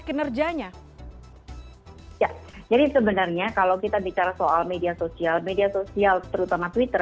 kinerjanya ya jadi sebenarnya kalau kita bicara soal media sosial media sosial terutama twitter